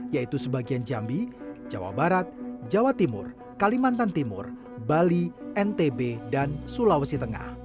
yaitu sebagian jambi jawa barat jawa timur kalimantan timur bali ntb dan sulawesi tengah